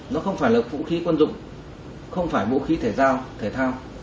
nó không phải là vũ khí quân dụng không phải vũ khí thể giao thể thao